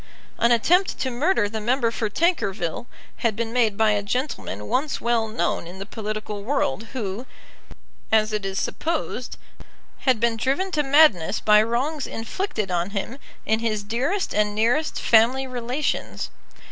An attempt to murder the member for Tankerville had been made by a gentleman once well known in the political world, who, as it is supposed, had been driven to madness by wrongs inflicted on him in his dearest and nearest family relations.